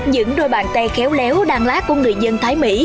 những đôi bàn tay khéo léo đan lát của người dân thái mỹ